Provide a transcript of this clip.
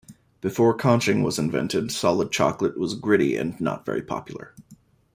Before conching was invented, solid chocolate was gritty and not very popular.